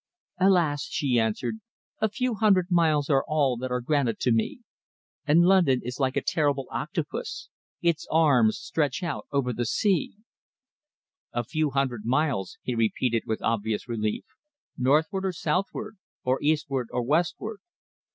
"Alas!" she answered, "a few hundred miles are all that are granted to me. And London is like a terrible octopus. Its arms stretch over the sea." "A few hundred miles," he repeated, with obvious relief. "Northward or southward, or eastward or westward?"